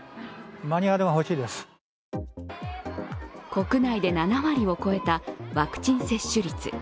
国内で７割を超えたワクチン接種率。